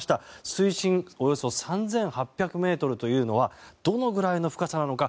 水深およそ３８００ｍというのはどのぐらいの深さなのか。